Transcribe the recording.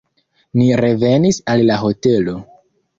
Ni revenis al la hotelo.